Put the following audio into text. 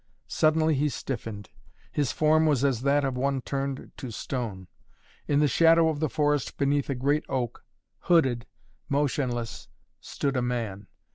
Suddenly he stiffened. His form was as that of one turned to stone. In the shadow of the forest beneath a great oak, hooded, motionless, stood a man.